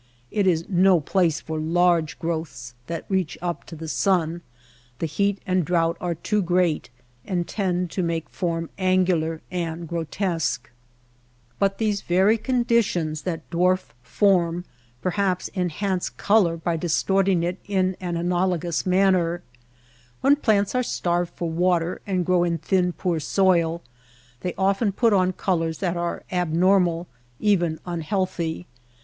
It is no place for large growths that reach up to the sun. The heat and drouth are too great and tend to make form angular and grotesque. But these very The lluvia d'oro. Grotesque forms. 146 THE DESEET Abnormal colors. Blossoms and flowers. conditions that dwarf form perhaps enhance color by distorting it in an analogous manner. When plants are starved for water and grow in thin poor soil they often put on colors that are abnormal, even unhealthy.